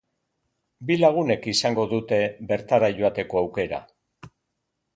Bi lagunek izango dute bertara joateko aukera.